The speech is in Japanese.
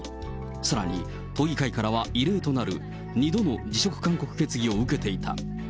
さらに、都議会からは異例となる２度の辞職勧告決議を受けていた。